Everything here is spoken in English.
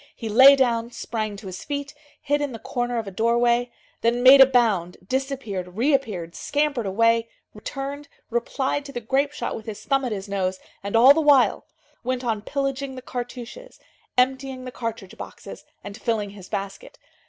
He lay down, sprang to his feet, hid in the corner of a doorway, then made a bound, disappeared, reappeared, scampered away, returned, replied to the grape shot with his thumb at his nose, and, all the while, went on pillaging the cartouches, emptying the cartridge boxes, and filling his basket.